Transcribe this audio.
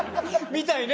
みたいね。